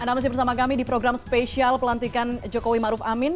anda masih bersama kami di program spesial pelantikan jokowi maruf amin